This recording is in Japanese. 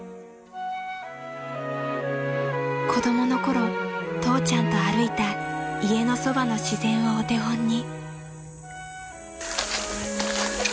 ［子供の頃父ちゃんと歩いた家のそばの自然をお手本に］